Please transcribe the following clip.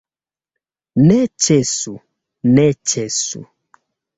Ne ĉesu, ne ĉesu!